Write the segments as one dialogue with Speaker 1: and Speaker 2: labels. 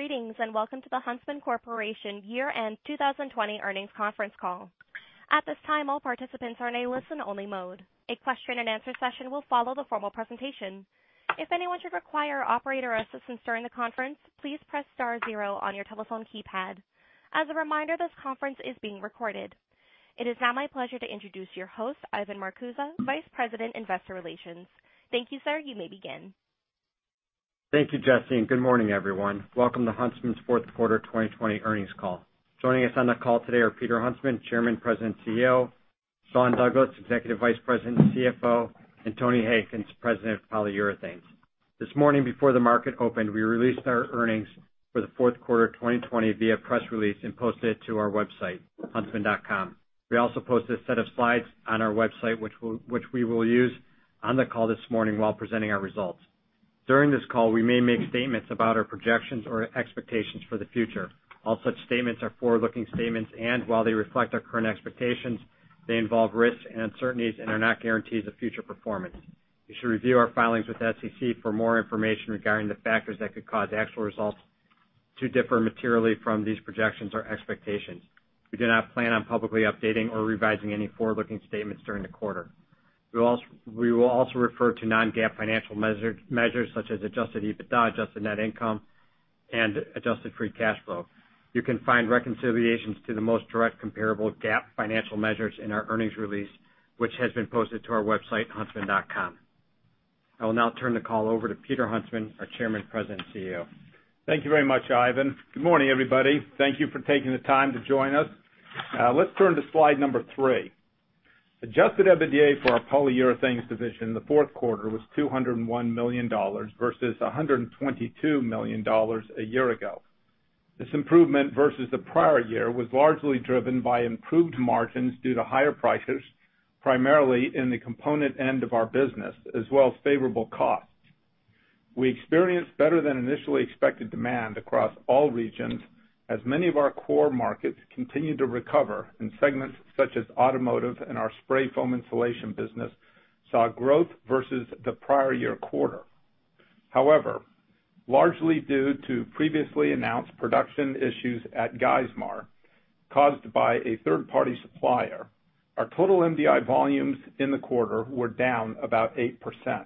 Speaker 1: At this time, all participants are in a listen-only mode. A question-and-answer session will follow the formal presentation. If anyone should require operator assistance during the conference, please press star zero on your telephone keypad. As a reminder, this conference is being recorded. It is now my pleasure to introduce your host, Ivan Marcuse, Vice President, Investor Relations. Thank you, sir. You may begin.
Speaker 2: Thank you, Jesse. Good morning, everyone. Welcome to Huntsman's fourth quarter 2020 earnings call. Joining us on the call today are Peter Huntsman, Chairman, President, CEO, Sean Douglas, Executive Vice President, CFO, and Tony Hankins, President of Polyurethanes. This morning before the market opened, we released our earnings for the fourth quarter of 2020 via press release and posted it to our website, huntsman.com. We also posted a set of slides on our website which we will use on the call this morning while presenting our results. During this call, we may make statements about our projections or expectations for the future. All such statements are forward-looking statements, and while they reflect our current expectations, they involve risks and uncertainties and are not guarantees of future performance. You should review our filings with the SEC for more information regarding the factors that could cause actual results to differ materially from these projections or expectations. We do not plan on publicly updating or revising any forward-looking statements during the quarter. We will also refer to non-GAAP financial measures such as adjusted EBITDA, adjusted net income, and adjusted free cash flow. You can find reconciliations to the most direct comparable GAAP financial measures in our earnings release, which has been posted to our website, huntsman.com. I will now turn the call over to Peter Huntsman, our Chairman, President, and CEO.
Speaker 3: Thank you very much, Ivan. Good morning, everybody. Thank you for taking the time to join us. Let's turn to slide number three. Adjusted EBITDA for our Polyurethanes division in the fourth quarter was $201 million versus $122 million a year ago. This improvement versus the prior year was largely driven by improved margins due to higher prices, primarily in the component end of our business, as well as favorable costs. We experienced better than initially expected demand across all regions as many of our core markets continued to recover in segments such as automotive and our spray foam insulation business saw growth versus the prior year quarter. However, largely due to previously announced production issues at Geismar caused by a third-party supplier, our total MDI volumes in the quarter were down abut 8%.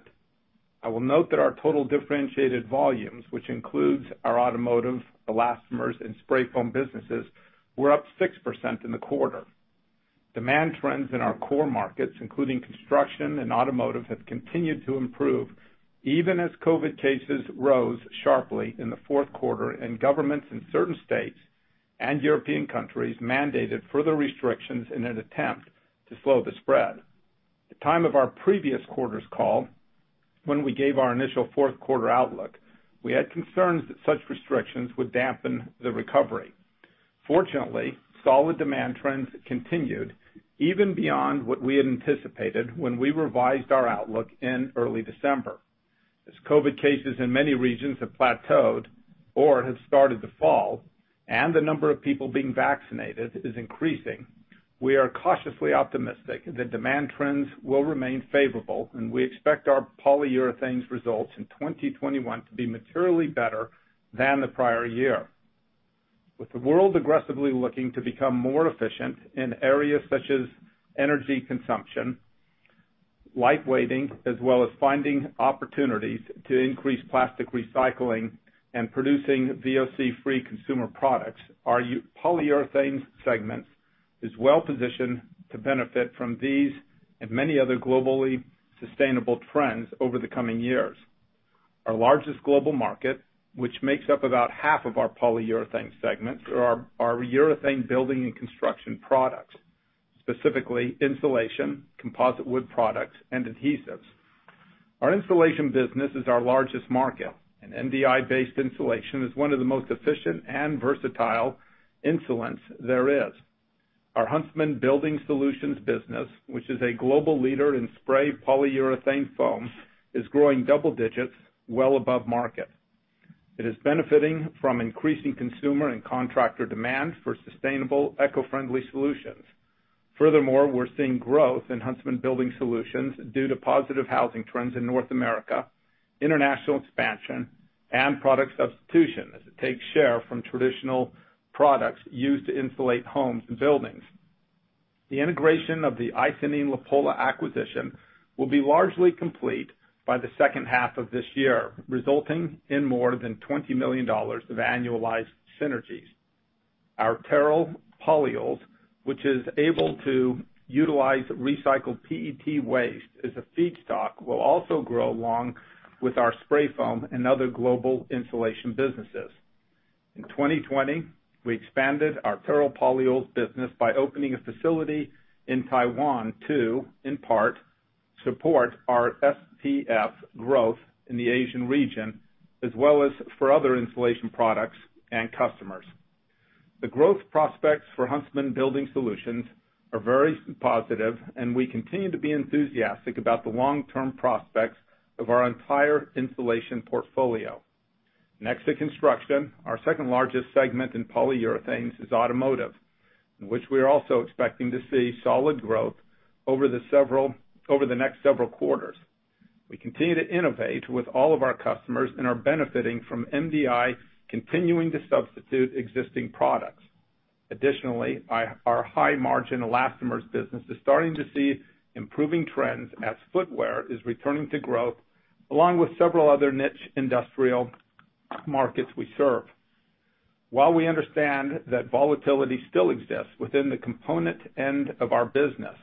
Speaker 3: I will note that our total differentiated volumes, which includes our automotive elastomers and spray foam businesses, were up 6% in the quarter. Demand trends in our core markets, including construction and automotive, have continued to improve even as COVID cases rose sharply in the fourth quarter and governments in certain states and European countries mandated further restrictions in an attempt to slow the spread. At the time of our previous quarter's call, when we gave our initial fourth quarter outlook, we had concerns that such restrictions would dampen the recovery. Fortunately, solid demand trends continued even beyond what we had anticipated when we revised our outlook in early December. As COVID cases in many regions have plateaued or have started to fall and the number of people being vaccinated is increasing, we are cautiously optimistic that demand trends will remain favorable, and we expect our polyurethanes results in 2021 to be materially better than the prior year. With the world aggressively looking to become more efficient in areas such as energy consumption, light weighting, as well as finding opportunities to increase plastic recycling and producing VOC-free consumer products, our Polyurethanes segment is well-positioned to benefit from these and many other globally sustainable trends over the coming years. Our largest global market, which makes up about half of our Polyurethanes segment, are our urethane building and construction products, specifically insulation, composite wood products, and adhesives. Our insulation business is our largest market. MDI-based insulation is one of the most efficient and versatile insulants there is. Our Huntsman Building Solutions business, which is a global leader in spray polyurethane foam, is growing double digits well above market. It is benefiting from increasing consumer and contractor demand for sustainable, eco-friendly solutions. Furthermore, we're seeing growth in Huntsman Building Solutions due to positive housing trends in North America, international expansion, and product substitution as it takes share from traditional products used to insulate homes and buildings. The integration of the Icynene-Lapolla acquisition will be largely complete by the second half of this year, resulting in more than $20 million of annualized synergies. Our TEROL polyols, which is able to utilize recycled PET waste as a feedstock, will also grow along with our spray foam and other global insulation businesses. In 2020, we expanded our TEROL polyols business by opening a facility in Taiwan to, in part, support our SPF growth in the Asian region, as well as for other insulation products and customers. The growth prospects for Huntsman Building Solutions are very positive and we continue to be enthusiastic about the long-term prospects of our entire insulation portfolio. Next to construction, our second largest segment in Polyurethanes is automotive, in which we are also expecting to see solid growth over the next several quarters. We continue to innovate with all of our customers and are benefiting from MDI continuing to substitute existing products. Our high-margin elastomers business is starting to see improving trends as footwear is returning to growth, along with several other niche industrial markets we serve. While we understand that volatility still exists within the component end of our business,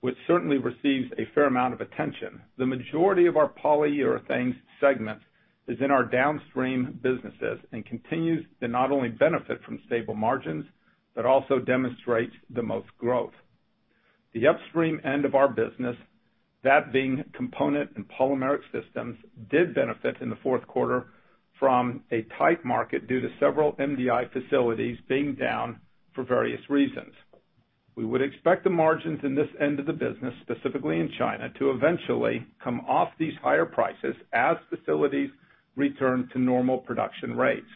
Speaker 3: which certainly receives a fair amount of attention, the majority of our Polyurethanes segment is in our downstream businesses and continues to not only benefit from stable margins, but also demonstrates the most growth. The upstream end of our business, that being component and polymeric systems, did benefit in the fourth quarter from a tight market due to several MDI facilities being down for various reasons. We would expect the margins in this end of the business, specifically in China, to eventually come off these higher prices as facilities return to normal production rates.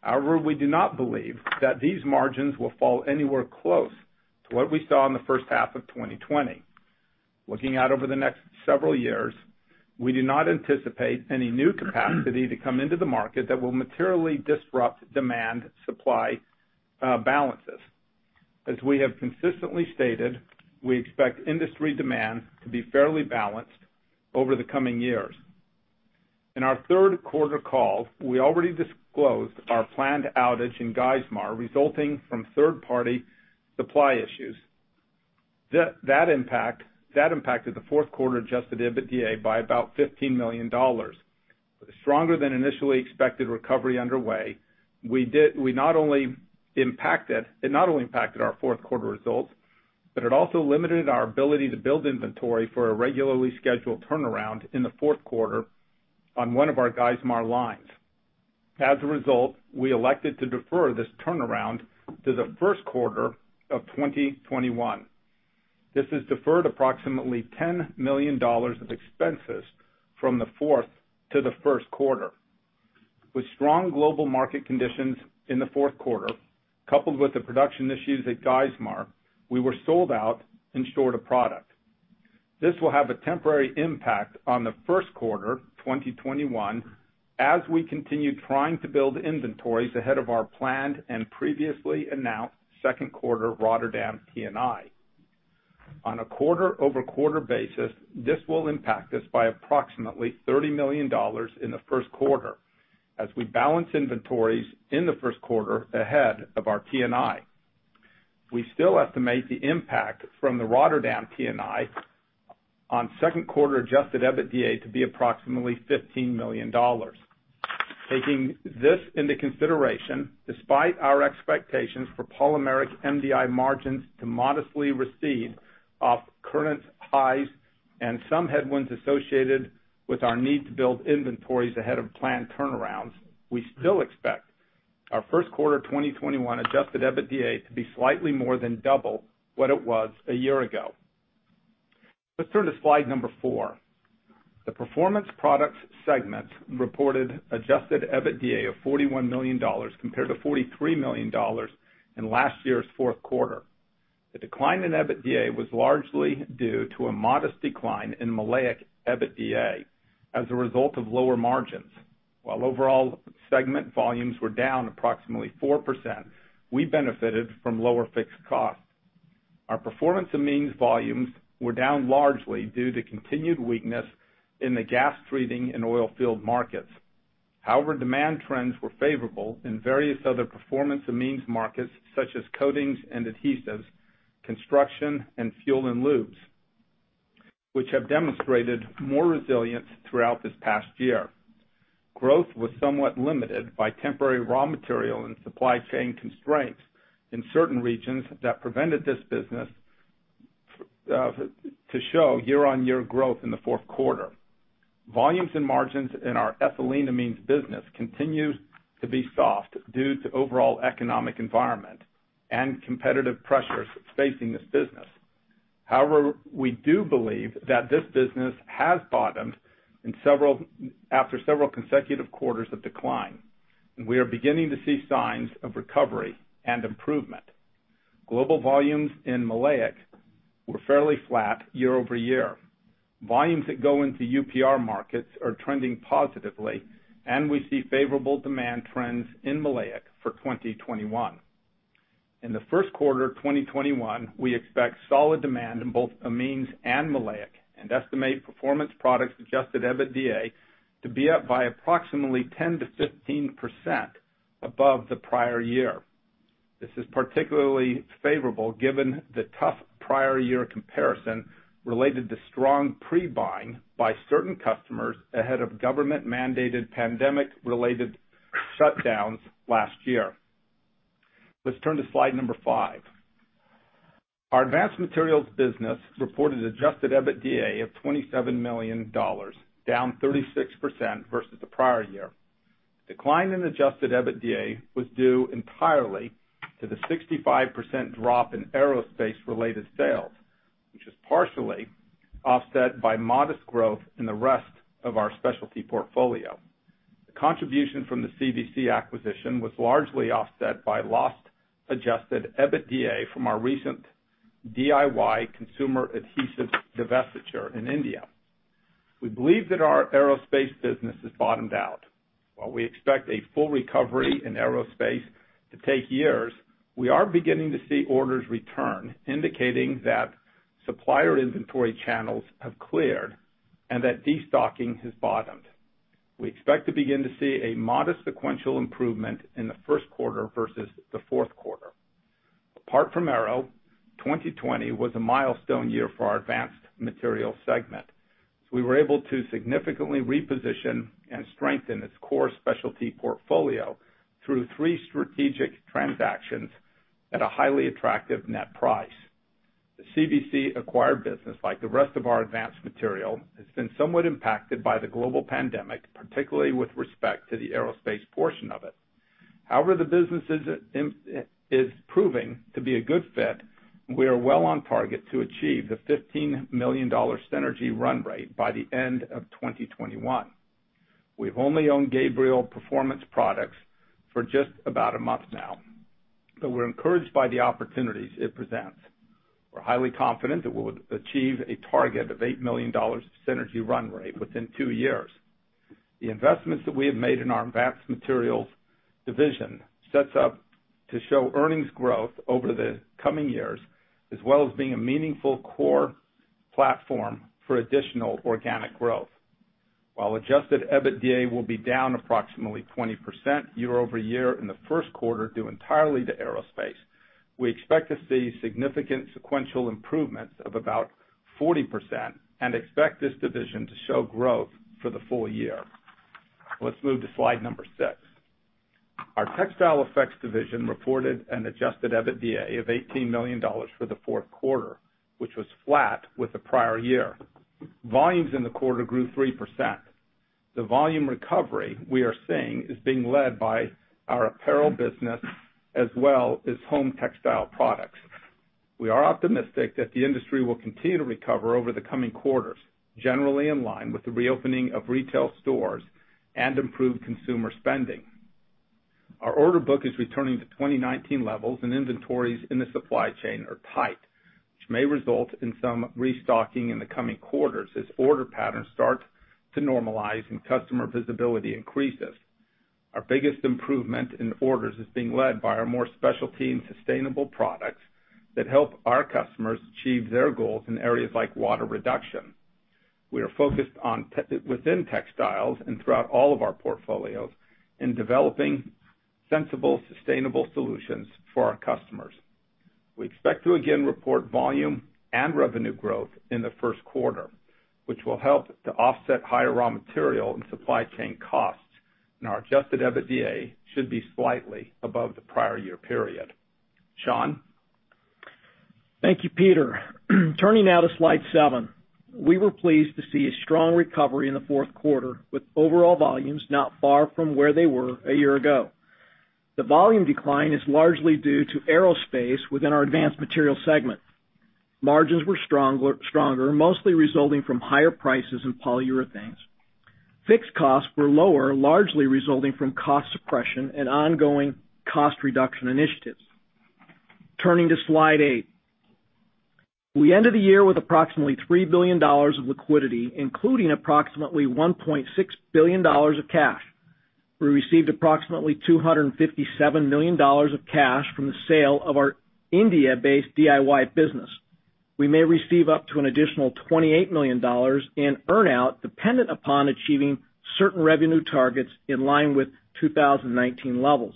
Speaker 3: However, we do not believe that these margins will fall anywhere close to what we saw in the first half of 2020. Looking out over the next several years, we do not anticipate any new capacity to come into the market that will materially disrupt demand-supply balances. As we have consistently stated, we expect industry demand to be fairly balanced over the coming years. In our third quarter call, we already disclosed our planned outage in Geismar resulting from third-party supply issues. That impacted the fourth quarter adjusted EBITDA by about $15 million. With a stronger than initially expected recovery underway, it not only impacted our fourth quarter results, but it also limited our ability to build inventory for a regularly scheduled turnaround in the fourth quarter on one of our Geismar lines. As a result, we elected to defer this turnaround to the first quarter of 2021. This has deferred approximately $10 million of expenses from the fourth to the first quarter. With strong global market conditions in the fourth quarter, coupled with the production issues at Geismar, we were sold out and short a product. This will have a temporary impact on the first quarter 2021 as we continue trying to build inventories ahead of our planned and previously announced second quarter Rotterdam T&I. On a quarter-over-quarter basis, this will impact us by approximately $30 million in the first quarter as we balance inventories in the first quarter ahead of our T&I. We still estimate the impact from the Rotterdam T&I on second quarter adjusted EBITDA to be approximately $15 million. Taking this into consideration, despite our expectations for polymeric MDI margins to modestly recede off current highs and some headwinds associated with our need to build inventories ahead of planned turnarounds, we still expect our first quarter 2021 adjusted EBITDA to be slightly more than double what it was a year ago. Let's turn to slide number four. The Performance Products segment reported adjusted EBITDA of $41 million compared to $43 million in last year's fourth quarter. The decline in EBITDA was largely due to a modest decline in maleic EBITDA as a result of lower margins. While overall segment volumes were down approximately 4%, we benefited from lower fixed costs. Our performance amines volumes were down largely due to continued weakness in the gas treating and oil field markets. Demand trends were favorable in various other performance amines markets such as coatings and adhesives, construction, and fuel and lubes, which have demonstrated more resilience throughout this past year. Growth was somewhat limited by temporary raw material and supply chain constraints in certain regions that prevented this business to show year-on-year growth in the fourth quarter. Volumes and margins in our ethyleneamines business continued to be soft due to overall economic environment and competitive pressures facing this business, however, we do believe that this business has bottomed after several consecutive quarters of decline, and we are beginning to see signs of recovery and improvement. Global volumes in maleic were fairly flat year-over-year. Volumes that go into UPR markets are trending positively, and we see favorable demand trends in maleic for 2021. In the first quarter of 2021, we expect solid demand in both amines and maleic and estimate Performance Products adjusted EBITDA to be up by approximately 10%-15% above the prior year. This is particularly favorable given the tough prior year comparison related to strong pre-buying by certain customers ahead of government-mandated pandemic-related shutdowns last year. Let's turn to slide number five. Our Advanced Materials business reported adjusted EBITDA of $27 million, down 36% versus the prior year. Decline in adjusted EBITDA was due entirely to the 65% drop in aerospace-related sales, which was partially offset by modest growth in the rest of our specialty portfolio. The contribution from the CVC acquisition was largely offset by lost adjusted EBITDA from our recent DIY consumer adhesives divestiture in India. We believe that our aerospace business has bottomed out. While we expect a full recovery in aerospace to take years, we are beginning to see orders return, indicating that supplier inventory channels have cleared and that destocking has bottomed. We expect to begin to see a modest sequential improvement in the first quarter versus the fourth quarter. Apart from aero, 2020 was a milestone year for our Advanced Materials segment. We were able to significantly reposition and strengthen its core specialty portfolio through three strategic transactions at a highly attractive net price. The CVC acquired business, like the rest of our Advanced Materials, has been somewhat impacted by the global pandemic, particularly with respect to the aerospace portion of it. However, the business is proving to be a good fit, and we are well on target to achieve the $15 million synergy run rate by the end of 2021. We've only owned Gabriel Performance Products for just about a month now, but we're encouraged by the opportunities it presents. We're highly confident that we'll achieve a target of $8 million synergy run rate within two years. The investments that we have made in our Advanced Materials division sets up to show earnings growth over the coming years, as well as being a meaningful core platform for additional organic growth. While adjusted EBITDA will be down approximately 20% year-over-year in the first quarter due entirely to aerospace, we expect to see significant sequential improvements of about 40% and expect this division to show growth for the full year. Let's move to slide number six. Our Textile Effects division reported an adjusted EBITDA of $18 million for the fourth quarter, which was flat with the prior year. Volumes in the quarter grew 3%. The volume recovery we are seeing is being led by our apparel business as well as home textile products. We are optimistic that the industry will continue to recover over the coming quarters, generally in line with the reopening of retail stores and improved consumer spending. Our order book is returning to 2019 levels, and inventories in the supply chain are tight, which may result in some restocking in the coming quarters as order patterns start to normalize and customer visibility increases. Our biggest improvement in orders is being led by our more specialty and sustainable products that help our customers achieve their goals in areas like water reduction. We are focused within textiles and throughout all of our portfolios in developing sensible, sustainable solutions for our customers. We expect to again report volume and revenue growth in the first quarter, which will help to offset higher raw material and supply chain costs, and our adjusted EBITDA should be slightly above the prior year period. Sean?
Speaker 4: Thank you, Peter. Turning now to slide seven. We were pleased to see a strong recovery in the fourth quarter, with overall volumes not far from where they were a year ago. The volume decline is largely due to aerospace within our Advanced Materials segment. Margins were stronger, mostly resulting from higher prices in polyurethanes. Fixed costs were lower, largely resulting from cost suppression and ongoing cost reduction initiatives. Turning to slide eight. We ended the year with approximately $3 billion of liquidity, including approximately $1.6 billion of cash. We received approximately $257 million of cash from the sale of our India-based DIY business. We may receive up to an additional $28 million in earn-out, dependent upon achieving certain revenue targets in line with 2019 levels.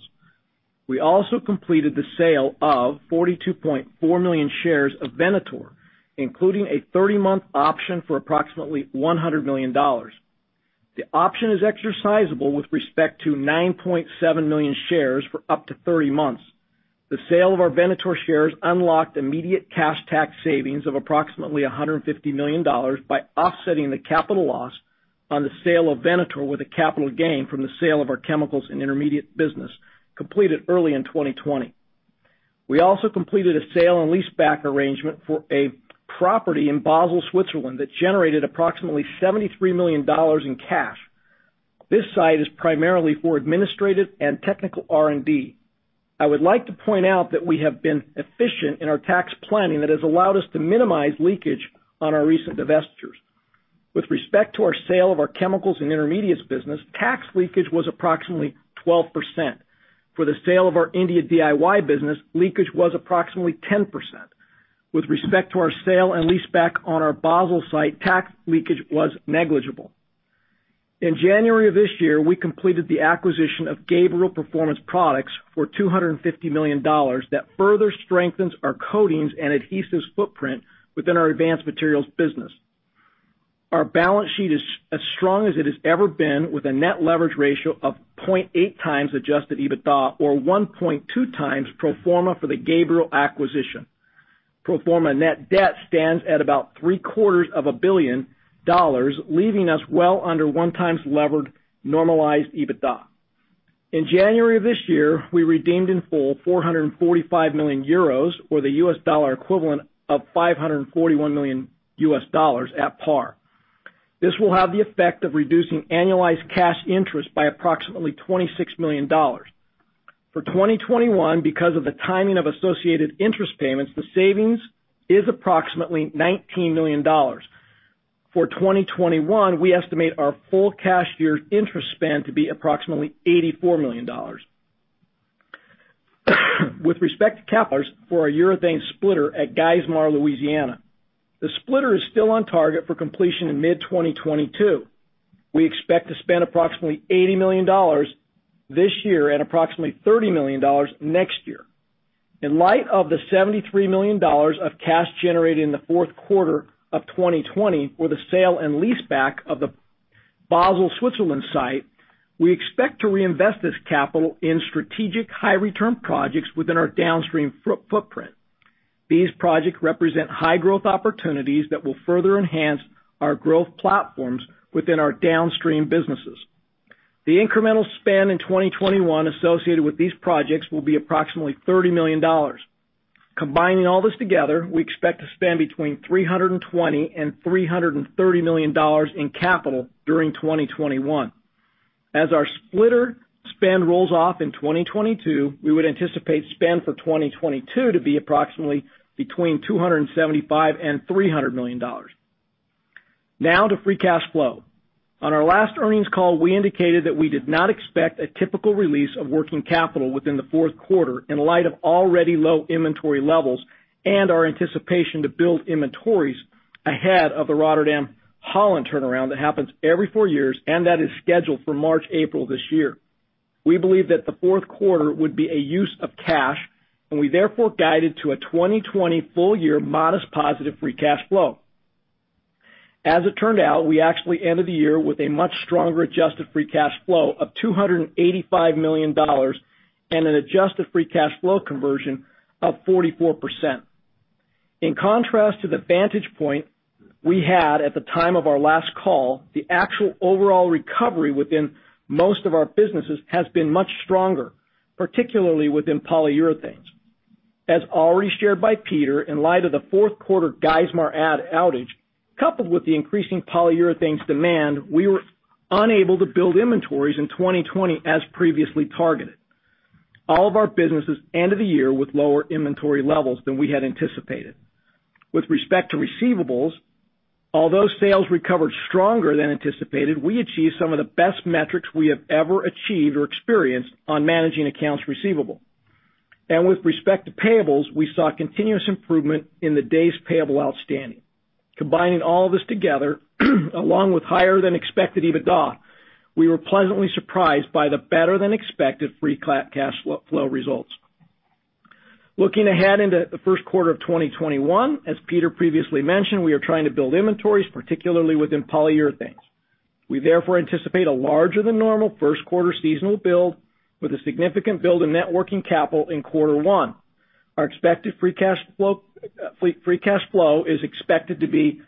Speaker 4: We also completed the sale of 42.4 million shares of Venator, including a 30-month option for approximately $100 million. The option is exercisable with respect to 9.7 million shares for up to 30 months. The sale of our Venator shares unlocked immediate cash tax savings of approximately $150 million by offsetting the capital loss on the sale of Venator with a capital gain from the sale of our chemicals and intermediate business completed early in 2020. We also completed a sale and leaseback arrangement for a property in Basel, Switzerland, that generated approximately $73 million in cash. This site is primarily for administrative and technical R&D. I would like to point out that we have been efficient in our tax planning that has allowed us to minimize leakage on our recent divestitures. With respect to our sale of our chemicals and intermediates business, tax leakage was approximately 12%. For the sale of our India DIY business, leakage was approximately 10%. With respect to our sale and leaseback on our Basel site, tax leakage was negligible. In January of this year, we completed the acquisition of Gabriel Performance Products for $250 million that further strengthens our coatings and adhesives footprint within our Advanced Materials business. Our balance sheet is as strong as it has ever been, with a net leverage ratio of 0.8x adjusted EBITDA, or 1.2x pro forma for the Gabriel acquisition. Pro forma net debt stands at about $750 million leaving us well under one times levered normalized EBITDA. In January of this year, we redeemed in full 445 million euros, or the U.S. dollar equivalent of $541 million at par. This will have the effect of reducing annualized cash interest by approximately $26 million. For 2021, because of the timing of associated interest payments, the savings is approximately $19 million. For 2021, we estimate our full cash year interest spend to be approximately $84 million. With respect to capitals for our urethane splitter at Geismar, Louisiana, the splitter is still on target for completion in mid-2022. We expect to spend approximately $80 million this year and approximately $30 million next year. In light of the $73 million of cash generated in the fourth quarter of 2020 for the sale and leaseback of the Basel, Switzerland site, we expect to reinvest this capital in strategic high-return projects within our downstream footprint. These projects represent high-growth opportunities that will further enhance our growth platforms within our downstream businesses. The incremental spend in 2021 associated with these projects will be approximately $30 million. Combining all this together, we expect to spend between $320 million and $330 million in capital during 2021. As our splitter spend rolls off in 2022, we would anticipate spend for 2022 to be approximately between $275 million and $300 million. To free cash flow. On our last earnings call, we indicated that we did not expect a typical release of working capital within the fourth quarter in light of already low inventory levels and our anticipation to build inventories ahead of the Rotterdam, Holland turnaround that happens every four years and that is scheduled for March, April this year. We believe that the fourth quarter would be a use of cash, we therefore guided to a 2020 full year modest positive free cash flow. As it turned out, we actually ended the year with a much stronger adjusted free cash flow of $285 million and an adjusted free cash flow conversion of 44%. In contrast to the vantage point we had at the time of our last call, the actual overall recovery within most of our businesses has been much stronger, particularly within polyurethanes. As already shared by Peter, in light of the fourth quarter Geismar outage, coupled with the increasing polyurethanes demand, we were unable to build inventories in 2020 as previously targeted. All of our businesses end of the year with lower inventory levels than we had anticipated. With respect to receivables, although sales recovered stronger than anticipated, we achieved some of the best metrics we have ever achieved or experienced on managing accounts receivable. With respect to payables, we saw continuous improvement in the days payable outstanding. Combining all this together, along with higher than expected EBITDA, we were pleasantly surprised by the better than expected free cash flow results. Looking ahead into the first quarter of 2021, as Peter previously mentioned, we are trying to build inventories, particularly within Polyurethanes. We therefore anticipate a larger than normal first quarter seasonal build with a significant build in net working capital in quarter one. Our expected free cash flow is expected to be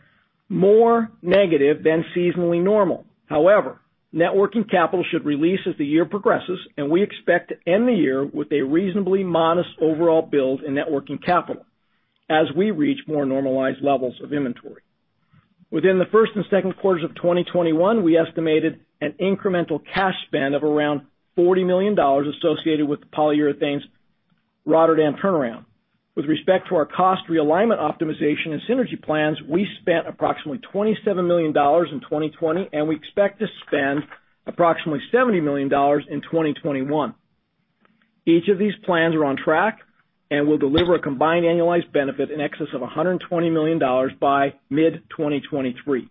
Speaker 4: more negative than seasonally normal. However, net working capital should release as the year progresses, and we expect to end the year with a reasonably modest overall build in net working capital as we reach more normalized levels of inventory. Within the first and second quarters of 2021, we estimated an incremental cash spend of around $40 million associated with the polyurethanes Rozenburg turnaround. With respect to our cost realignment optimization and synergy plans, we spent approximately $27 million in 2020, and we expect to spend approximately $70 million in 2021. Each of these plans are on track and will deliver a combined annualized benefit in excess of $120 million by mid-2023.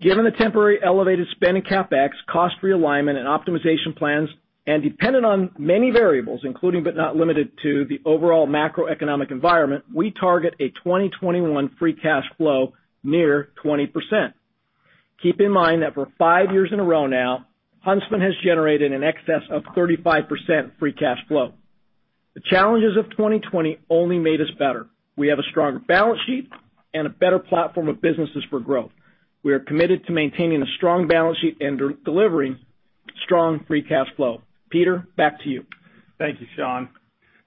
Speaker 4: Given the temporary elevated spend in CapEx, cost realignment and optimization plans, and dependent on many variables, including but not limited to the overall macroeconomic environment, we target a 2021 free cash flow near 20%. Keep in mind that for five years in a row now, Huntsman has generated in excess of 35% free cash flow. The challenges of 2020 only made us better. We have a stronger balance sheet and a better platform of businesses for growth. We are committed to maintaining a strong balance sheet and delivering strong free cash flow. Peter, back to you.
Speaker 3: Thank you, Sean.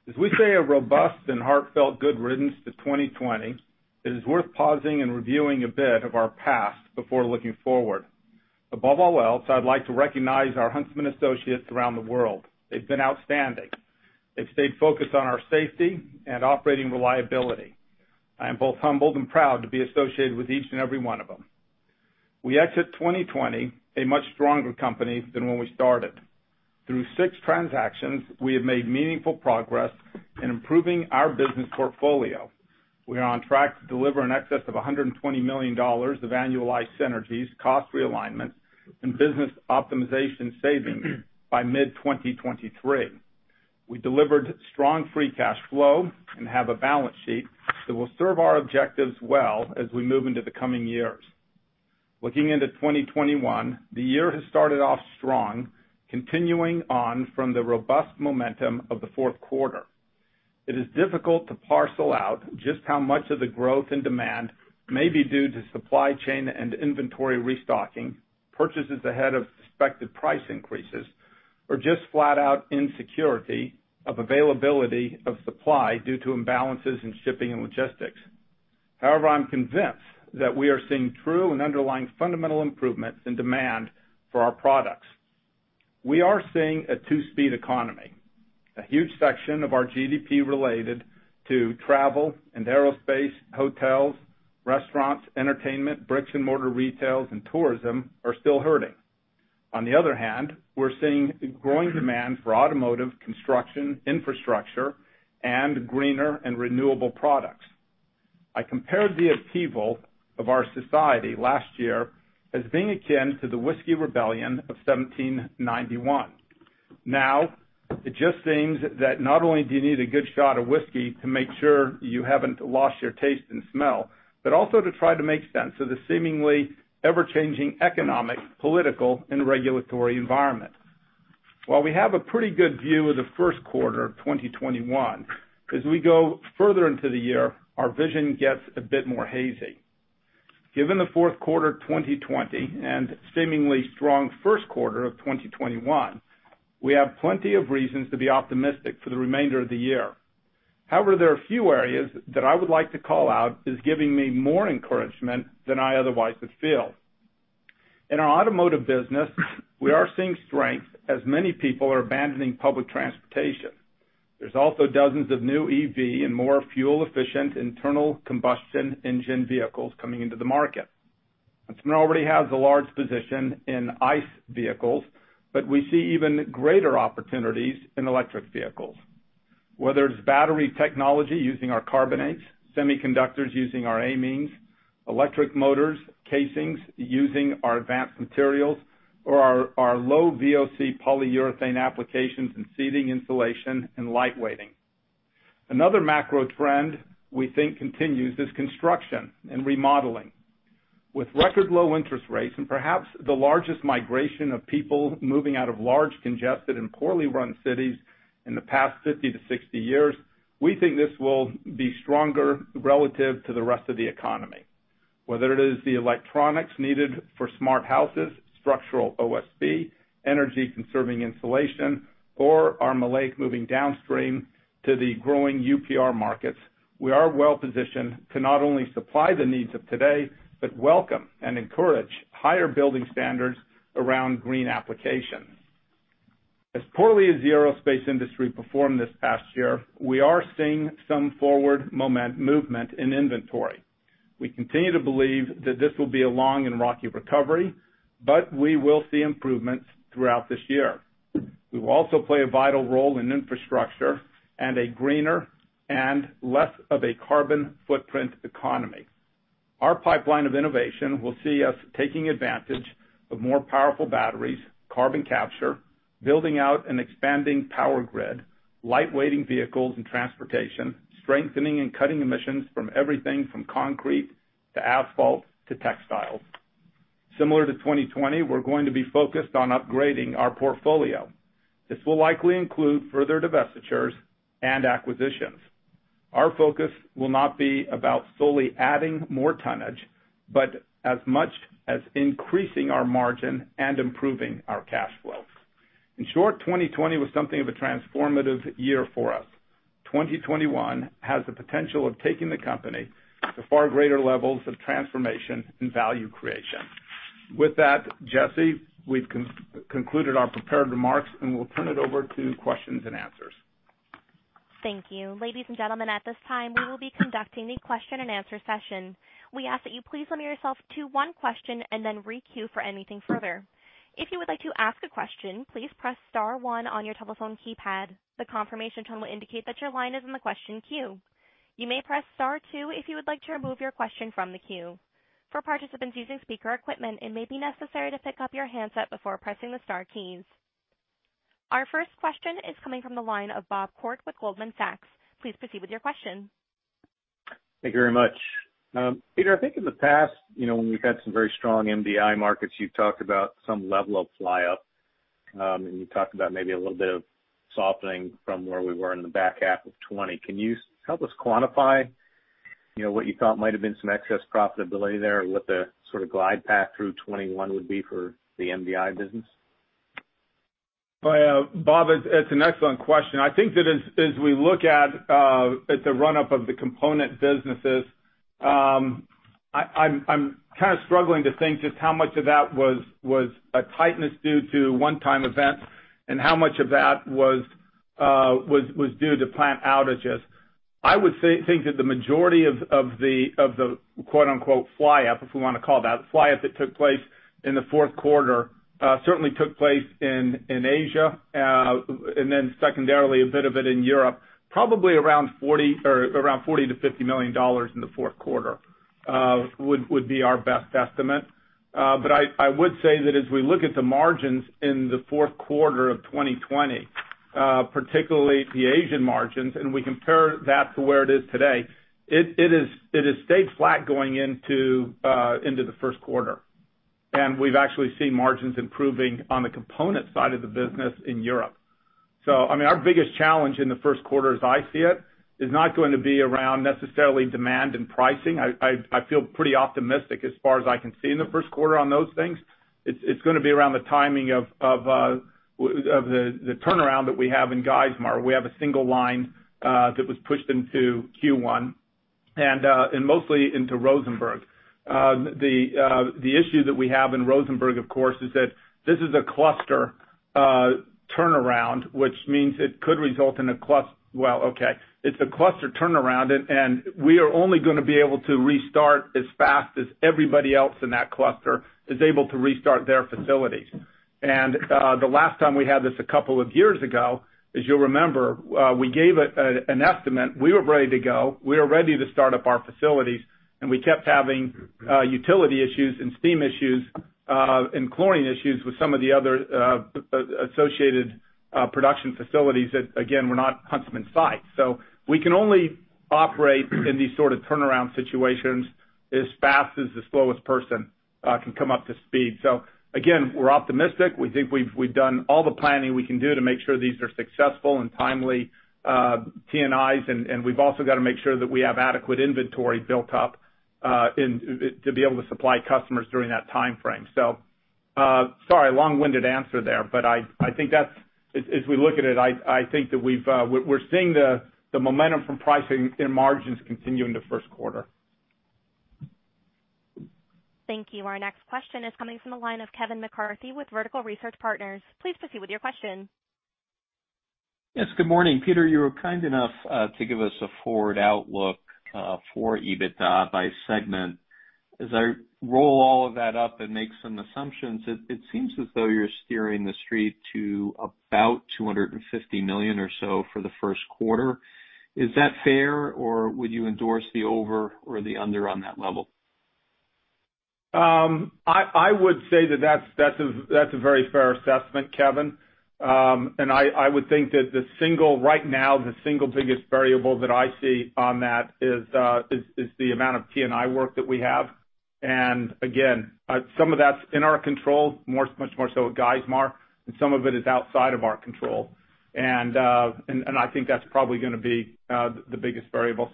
Speaker 3: As we say a robust and heartfelt good riddance to 2020, it is worth pausing and reviewing a bit of our past before looking forward. Above all else, I'd like to recognize our Huntsman associates around the world. They've been outstanding. They've stayed focused on our safety and operating reliability. I am both humbled and proud to be associated with each and every one of them. We exit 2020 a much stronger company than when we started. Through six transactions, we have made meaningful progress in improving our business portfolio. We are on track to deliver in excess of $120 million of annualized synergies, cost realignment, and business optimization savings by mid-2023. We delivered strong free cash flow and have a balance sheet that will serve our objectives well as we move into the coming years. Looking into 2021, the year has started off strong, continuing on from the robust momentum of the fourth quarter. It is difficult to parcel out just how much of the growth and demand may be due to supply chain and inventory restocking, purchases ahead of expected price increases, or just flat out insecurity of availability of supply due to imbalances in shipping and logistics. However, I'm convinced that we are seeing true and underlying fundamental improvements in demand for our products. We are seeing a two-speed economy. A huge section of our GDP related to travel and aerospace, hotels, restaurants, entertainment, bricks-and-mortar retails, and tourism are still hurting. On the other hand, we're seeing a growing demand for automotive, construction, infrastructure, and greener and renewable products. I compared the upheaval of our society last year as being akin to the Whiskey Rebellion of 1791. Now, it just seems that not only do you need a good shot of whiskey to make sure you haven't lost your taste and smell, but also to try to make sense of the seemingly ever-changing economic, political, and regulatory environment. While we have a pretty good view of the first quarter of 2021, as we go further into the year, our vision gets a bit more hazy. Given the fourth quarter 2020 and seemingly strong first quarter of 2021, we have plenty of reasons to be optimistic for the remainder of the year. However, there are a few areas that I would like to call out as giving me more encouragement than I otherwise would feel. In our automotive business, we are seeing strength as many people are abandoning public transportation. There's also dozens of new EV and more fuel-efficient internal combustion engine vehicles coming into the market. Huntsman already has a large position in ICE vehicles, but we see even greater opportunities in electric vehicles. Whether it's battery technology using our carbonates, semiconductors using our amines, electric motors casings using our Advanced Materials, or our low VOC polyurethane applications in seating insulation and light weighting. Another macro trend we think continues is construction and remodeling. With record low interest rates and perhaps the largest migration of people moving out of large congested and poorly run cities in the past 50-60 years, we think this will be stronger relative to the rest of the economy. Whether it is the electronics needed for smart houses, structural OSB, energy conserving insulation, or our maleic moving downstream to the growing UPR markets, we are well-positioned to not only supply the needs of today, but welcome and encourage higher building standards around green applications. As poorly as the aerospace industry performed this past year, we are seeing some forward movement in inventory. We continue to believe that this will be a long and rocky recovery, but we will see improvements throughout this year. We will also play a vital role in infrastructure and a greener and less of a carbon footprint economy. Our pipeline of innovation will see us taking advantage of more powerful batteries, carbon capture, building out an expanding power grid, light-weighting vehicles and transportation, strengthening and cutting emissions from everything from concrete to asphalt to textiles. Similar to 2020, we're going to be focused on upgrading our portfolio. This will likely include further divestitures and acquisitions. Our focus will not be about solely adding more tonnage, but as much as increasing our margin and improving our cash flows. In short, 2020 was something of a transformative year for us. 2021 has the potential of taking the company to far greater levels of transformation and value creation. With that, Jesse, we've concluded our prepared remarks, and we'll turn it over to questions and answers.
Speaker 1: Thank you. Ladies and gentlemen, at this time, we will be conducting a question-and-answer session. We ask that you please limit yourself to one question and then re-queue for anything further. If you would like to ask a question, please press star one on your telephone keypad. The confirmation tone will indicate that your line is in the question queue. You may press star two if you would like to remove your question from the queue. For participants using speaker equipment, it may be necessary to pick up your handset before pressing the star keys. Our first question is coming from the line of Bob Koort with Goldman Sachs. Please proceed with your question.
Speaker 5: Thank you very much. Peter, I think in the past, when we've had some very strong MDI markets, you've talked about some level of fly-up, and you talked about maybe a little bit of softening from where we were in the back half of 2020. Can you help us quantify what you thought might have been some excess profitability there and what the sort of glide path through 2021 would be for the MDI business?
Speaker 3: Bob, it's an excellent question. I think that as we look at the run-up of the component businesses, I'm kind of struggling to think just how much of that was a tightness due to one-time events and how much of that was due to plant outages. I would think that the majority of the "fly-up", if we want to call it that, fly-up that took place in the fourth quarter certainly took place in Asia, and then secondarily, a bit of it in Europe, probably around $40 million-$50 million in the fourth quarter would be our best estimate. I would say that as we look at the margins in the fourth quarter of 2020, particularly the Asian margins, and we compare that to where it is today, it has stayed flat going into the first quarter. We've actually seen margins improving on the component side of the business in Europe. Our biggest challenge in the first quarter as I see it, is not going to be around necessarily demand and pricing. I feel pretty optimistic as far as I can see in the first quarter on those things. It's going to be around the timing of the turnaround that we have in Geismar. We have a single line that was pushed into Q1, and mostly into Rozenburg. The issue that we have in Rozenburg, of course, is that this is a cluster turnaround, which means it could result in a cluster. Well, okay. It's a cluster turnaround. We are only going to be able to restart as fast as everybody else in that cluster is able to restart their facilities. The last time we had this a couple of years ago, as you'll remember, we gave an estimate. We were ready to go. We were ready to start up our facilities, and we kept having utility issues and steam issues, and chlorine issues with some of the other associated production facilities that, again, were not Huntsman sites. We can only operate in these sort of turnaround situations as fast as the slowest person can come up to speed. Again, we're optimistic. We think we've done all the planning we can do to make sure these are successful and timely T&Is, and we've also got to make sure that we have adequate inventory built up to be able to supply customers during that timeframe. Sorry, long-winded answer there, but as we look at it, I think that we're seeing the momentum from pricing and margins continue in the first quarter.
Speaker 1: Thank you. Our next question is coming from the line of Kevin McCarthy with Vertical Research Partners. Please proceed with your question.
Speaker 6: Yes, good morning. Peter, you were kind enough to give us a forward outlook for EBITDA by segment. As I roll all of that up and make some assumptions, it seems as though you're steering the street to about $250 million or so for the first quarter. Is that fair, or would you endorse the over or the under on that level?
Speaker 3: I would say that that's a very fair assessment, Kevin. I would think that right now, the single biggest variable that I see on that is the amount of T&I work that we have. Again, some of that's in our control, much more so at Geismar, and some of it is outside of our control. I think that's probably going to be the biggest variable.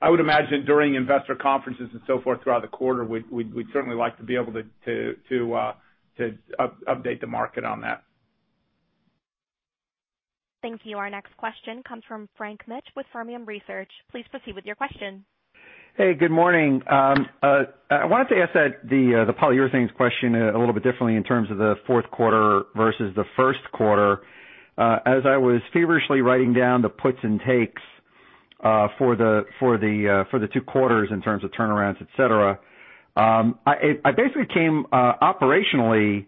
Speaker 3: I would imagine during investor conferences and so forth throughout the quarter, we'd certainly like to be able to update the market on that.
Speaker 1: Thank you. Our next question comes from Frank Mitsch with Fermium Research. Please proceed with your question.
Speaker 7: Hey, good morning. I wanted to ask the polyurethanes question a little bit differently in terms of the fourth quarter versus the first quarter. As I was feverishly writing down the puts and takes for the two quarters in terms of turnarounds, etc., I basically came operationally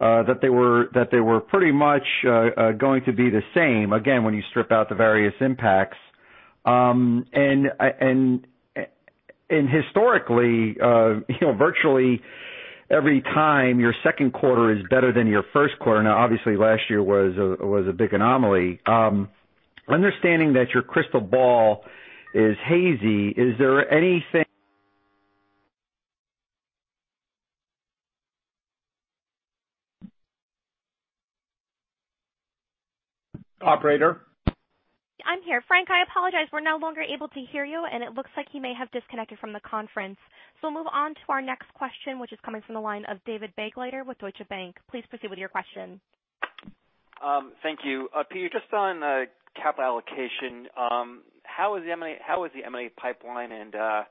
Speaker 7: that they were pretty much going to be the same, again, when you strip out the various impacts. Historically, virtually every time, your second quarter is better than your first quarter. Obviously, last year was a big anomaly. Understanding that your crystal ball is hazy, is there anything-
Speaker 3: Operator?
Speaker 1: I'm here. Frank, I apologize. We're no longer able to hear you, and it looks like you may have disconnected from the conference. We'll move on to our next question, which is coming from the line of David Begleiter with Deutsche Bank. Please proceed with your question.
Speaker 8: Thank you. Peter, just on capital allocation, how is the M&A pipeline, and how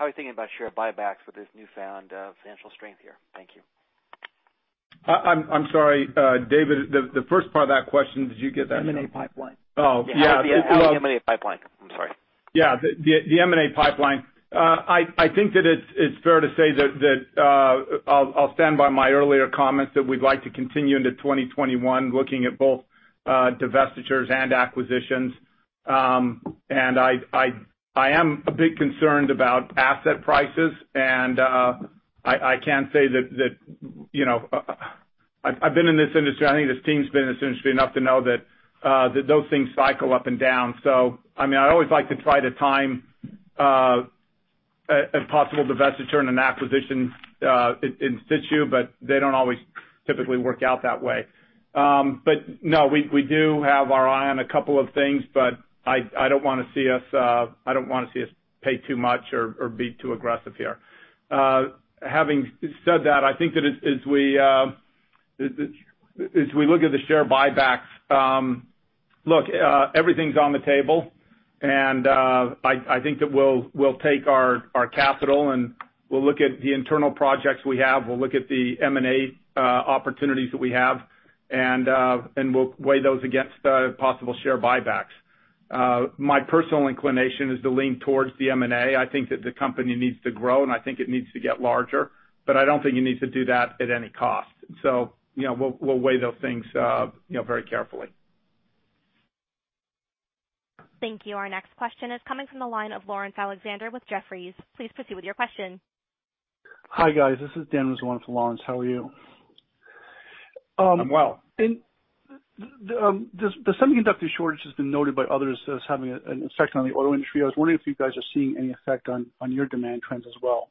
Speaker 8: are you thinking about share buybacks with this newfound financial strength here? Thank you.
Speaker 3: I'm sorry, David. The first part of that question, did you get that?
Speaker 8: M&A pipeline.
Speaker 3: Oh, yeah.
Speaker 8: How's the M&A pipeline? I'm sorry.
Speaker 3: Yeah. The M&A pipeline. I think that it's fair to say that I'll stand by my earlier comments that we'd like to continue into 2021 looking at both divestitures and acquisitions. I am a bit concerned about asset prices, and I can say that I've been in this industry, I think this team's been in this industry enough to know that those things cycle up and down. I always like to try to time a possible divestiture and an acquisition in-situ, but they don't always typically work out that way. No, we do have our eye on a couple of things, but I don't want to see us pay too much or be too aggressive here. Having said that, I think that as we look at the share buybacks, look, everything's on the table. I think that we'll take our capital, and we'll look at the internal projects we have. We'll look at the M&A opportunities that we have, and we'll weigh those against possible share buybacks. My personal inclination is to lean towards the M&A. I think that the company needs to grow, and I think it needs to get larger. I don't think you need to do that at any cost so we'll weigh those things very carefully.
Speaker 1: Thank you. Our next question is coming from the line of Laurence Alexander with Jefferies. Please proceed with your question.
Speaker 9: Hi, guys. This is Dennis Long for Laurence. How are you?
Speaker 3: I'm well.
Speaker 9: The semiconductor shortage has been noted by others as having an effect on the auto industry. I was wondering if you guys are seeing any effect on your demand trends as well.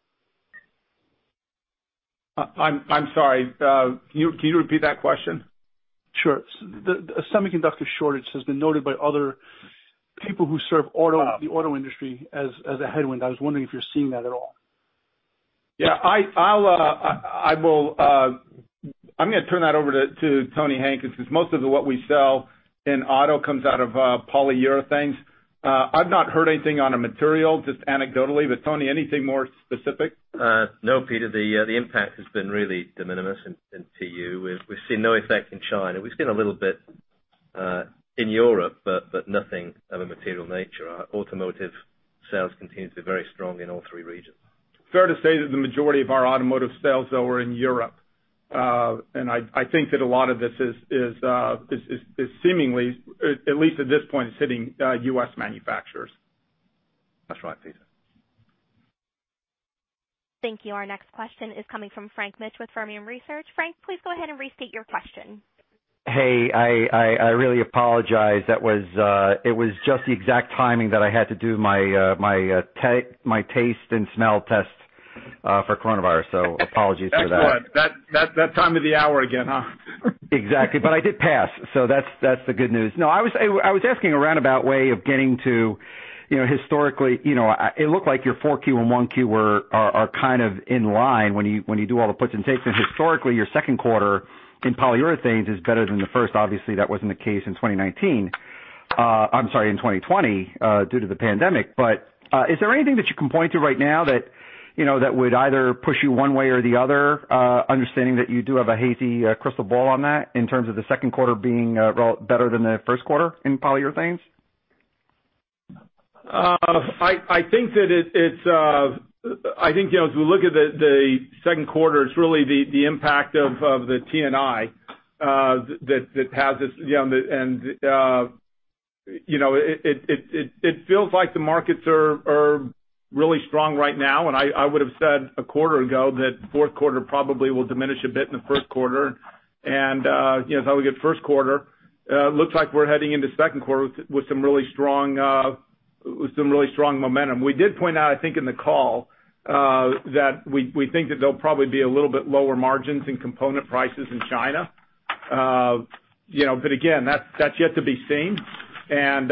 Speaker 3: I'm sorry. Can you repeat that question?
Speaker 9: Sure. The semiconductor shortage has been noted by other people who serve the auto industry as a headwind. I was wondering if you're seeing that at all?
Speaker 3: Yeah. I'm going to turn that over to Tony Hankins, because most of what we sell in auto comes out of polyurethanes. I've not heard anything on a material, just anecdotally. Tony, anything more specific?
Speaker 10: No, Peter, the impact has been really de minimis in PU. We've seen no effect in China. We've seen a little bit in Europe, but nothing of a material nature. Our automotive sales continue to be very strong in all three regions.
Speaker 3: Fair to say that the majority of our automotive sales, though, are in Europe. I think that a lot of this is seemingly, at least at this point, is hitting U.S. Manufacturers.
Speaker 10: That's right, Peter.
Speaker 1: Thank you. Our next question is coming from Frank Mitsch with Fermium Research. Frank, please go ahead and restate your question.
Speaker 7: Hey, I really apologize. It was just the exact timing that I had to do my taste and smell test for coronavirus, so apologies for that.
Speaker 3: That time of the hour again, huh?
Speaker 7: Exactly. But I did pass, so that's the good news. No, I was asking a roundabout way of getting to historically, it looked like your 4Q and 1Q are kind of in line when you do all the puts and takes. Historically, your second quarter in polyurethanes is better than the first. Obviously, that wasn't the case in 2019. I'm sorry, in 2020, due to the pandemic. Is there anything that you can point to right now that would either push you one way or the other, understanding that you do have a hazy crystal ball on that in terms of the second quarter being better than the first quarter in polyurethanes?
Speaker 3: I think as we look at the second quarter, it's really the impact of the T&I. It feels like the markets are really strong right now, and I would've said a quarter ago that fourth quarter probably will diminish a bit in the first quarter. As how we get first quarter, looks like we're heading into second quarter with some really strong momentum. We did point out, I think, in the call, that we think that there'll probably be a little bit lower margins in component prices in China. Again, that's yet to be seen. Look,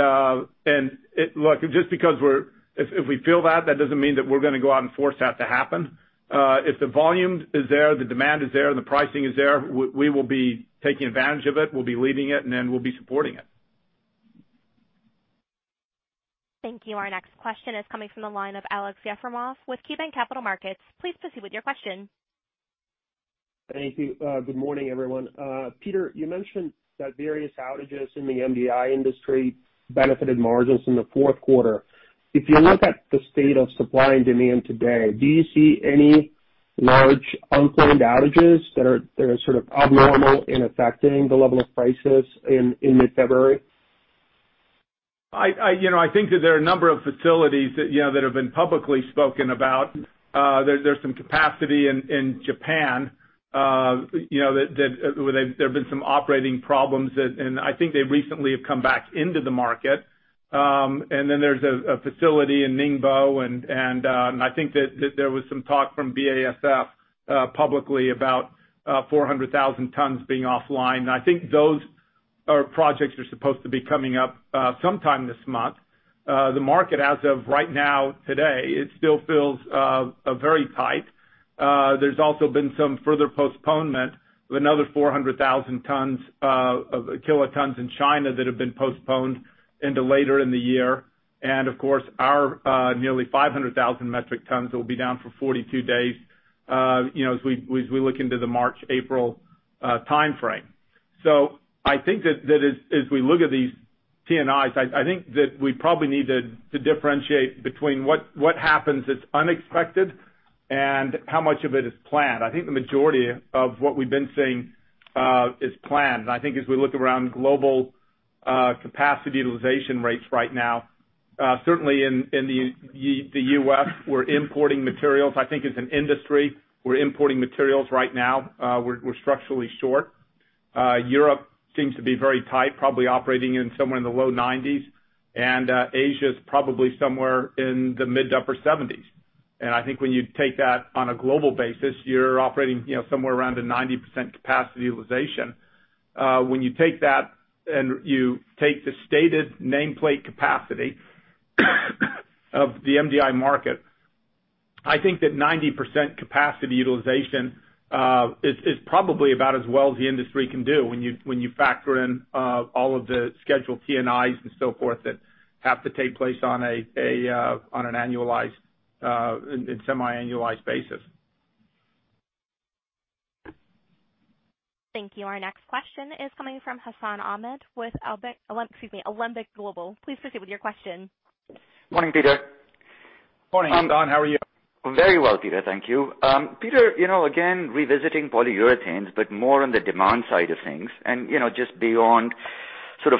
Speaker 3: if we feel that doesn't mean that we're going to go out and force that to happen. If the volume is there, the demand is there, and the pricing is there, we will be taking advantage of it, we'll be leading it, and then we'll be supporting it.
Speaker 1: Thank you. Our next question is coming from the line of Alex Yefremov with KeyBanc Capital Markets. Please proceed with your question.
Speaker 11: Thank you. Good morning, everyone. Peter, you mentioned that various outages in the MDI industry benefited margins in the fourth quarter. If you look at the state of supply and demand today, do you see any large unplanned outages that are sort of abnormal in affecting the level of prices in mid-February?
Speaker 3: I think that there are a number of facilities that have been publicly spoken about. There's some capacity in Japan where there have been some operating problems, and I think they recently have come back into the market. There's a facility in Ningbo, and I think that there was some talk from BASF publicly about 400,000 tons being offline. I think those projects are supposed to be coming up sometime this month. The market as of right now, today, it still feels very tight. There's also been some further postponement of another 400,000 kilotons in China that have been postponed into later in the year and of course, our nearly 500,000 metric tons will be down for 42 days as we look into the March, April timeframe. I think that as we look at these T&Is, I think that we probably need to differentiate between what happens that's unexpected and how much of it is planned. I think the majority of what we've been seeing is planned. I think as we look around global capacity utilization rates right now, certainly in the U.S. we're importing materials. I think as an industry, we're importing materials right now. We're structurally short. Europe seems to be very tight, probably operating in somewhere in the low 90s and Asia's probably somewhere in the mid to upper 70s. I think when you take that on a global basis, you're operating somewhere around a 90% capacity utilization. When you take that and you take the stated nameplate capacity of the MDI market, I think that 90% capacity utilization is probably about as well as the industry can do when you factor in all of the scheduled T&Is and so forth that have to take place on a semi-annualized basis.
Speaker 1: Thank you. Our next question is coming from Hassan Ahmed with, excuse me, Alembic Global. Please proceed with your question.
Speaker 12: Morning, Peter.
Speaker 3: Morning, Hassan. How are you?
Speaker 12: Very well, Peter. Thank you. Peter, again, revisiting Polyurethanes, but more on the demand side of things and just beyond